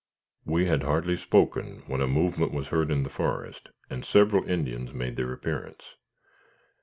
We had scarcely spoken, when a movement was heard in the forest, and several Indians made their appearance.